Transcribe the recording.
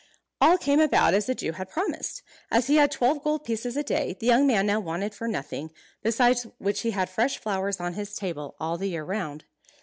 All came about as the Jew had promised. As he had twelve gold pieces a day, the young man now wanted for nothing, besides which he had fresh flowers on his table all the year round.